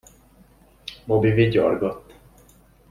Bobby vigyorgott.